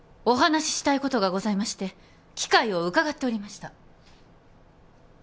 お話ししたいことがございまして機会をうかがっておりました